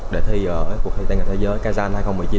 để thi ở cuộc thi tây nghệ thế giới kazan hai nghìn một mươi chín